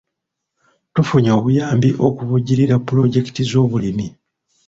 Tufunye obuyambi okuvujjirira pulojekiti z'obulimi.